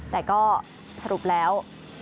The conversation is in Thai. แต่ก็สรุปแล้ว